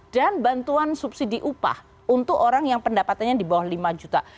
dan bantuan subsidi upah untuk orang yang pendapatannya di bawah lima juta